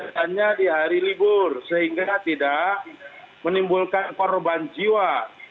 hanya di hari libur sehingga tidak menimbulkan korban jiwa